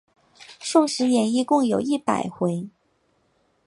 宋史演义共有一百回。